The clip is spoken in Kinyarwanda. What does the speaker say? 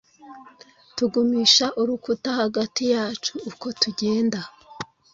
tugumisha urukuta hagati yacu uko tugenda